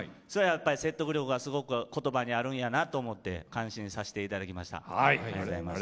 説得力がすごく言葉にあるんやなと思って感心させていただきました。